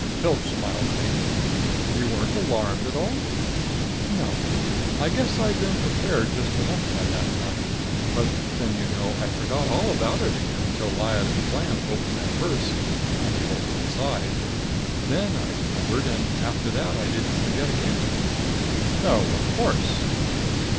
Pilch smiled faintly. "You weren't alarmed at all?" "No. I guess I'd been prepared just enough by that time. But then, you know, I forgot all about it again until Lyad and Flam opened that purse and he wasn't inside. Then I remembered, and after that I didn't forget again." "No. Of course."